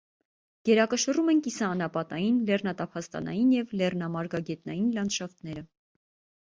Գերակշռում են կիսաանապատային, լեռնատափաստանային և լեռնամարգագետնային լանդշաֆտները։